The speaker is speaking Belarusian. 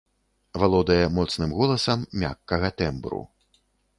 Валодае моцным голасам мяккага тэмбру.